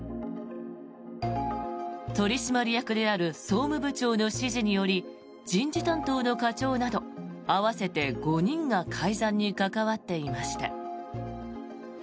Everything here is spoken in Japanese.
取締役である総務部長の指示により人事担当の課長など合わせて５人が改ざんに関わっていました。